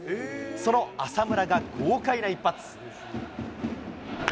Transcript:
その浅村が豪快な一発。